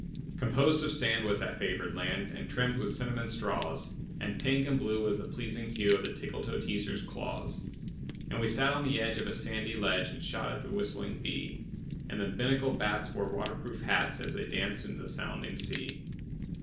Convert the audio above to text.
Composed of sand was that favored land, And trimmed with cinnamon straws; And pink and blue was the pleasing hue Of the Tickletoeteaser's claws. And we sat on the edge of a sandy ledge And shot at the whistling bee; And the Binnacle bats wore water proof hats As they danced in the sounding sea.